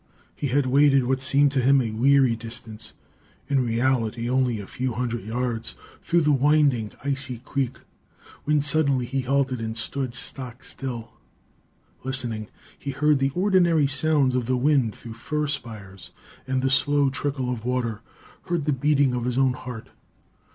He had waded what seemed to him a weary distance in reality only a few hundred yards through the winding, icy creek, when suddenly he halted and stood stock still. Listening, he heard the ordinary sounds of the wind through the fir spires, and the slow trickle of water; heard the beating of his own heart.